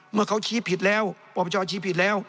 เมื่อเขาชี้ผิดแล้วปปชชี้ผิดแล้ว